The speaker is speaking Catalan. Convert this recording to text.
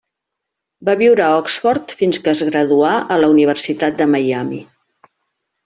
Va viure a Oxford fins que es graduà a la Universitat de Miami.